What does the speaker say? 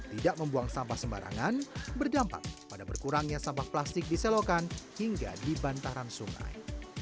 tidak membuang sampah sembarangan berdampak pada berkurangnya sampah plastik di selokan hingga di bantaran sungai